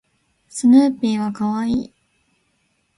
スヌーピーは可愛い